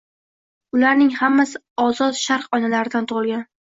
Ularning hammasi ozod Sharq onalaridan tug'ilgan.